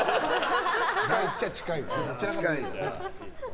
近いっちゃ近いです。